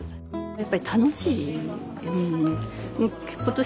やっぱり楽しい。